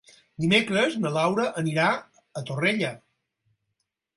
Dimecres na Laura anirà a Torrella.